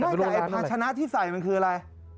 แน่นอย่างพาชนะที่ใส่มันคืออะไร